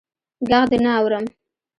ږغ دي نه اورم.